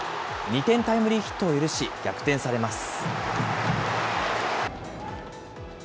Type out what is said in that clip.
２点タイムリーヒットを許し、逆転されます。